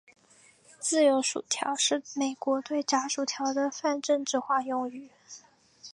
自由薯条是美国对炸薯条的泛政治化用语。